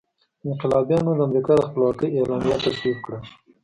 انقلابیانو د امریکا د خپلواکۍ اعلامیه تصویب کړه.